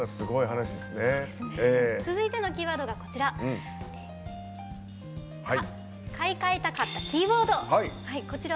続いてのキーワードが「買い替えたかったキーボード」。